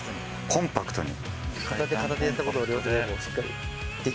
コンパクトに。